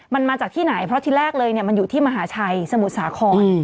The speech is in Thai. มันมาจากที่ไหนเพราะที่แรกเลยมันอยู่ที่มหาชัยสมุทรสาคร